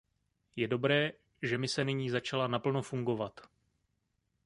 Je dobré, že mise nyní začala naplno fungovat.